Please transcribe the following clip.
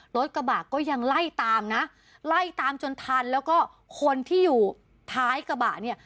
รถกระบะก็ยังไล่ตามนะไล่ตามจนทันแล้วก็คนที่อยู่ท้ายกระบะเนี่ย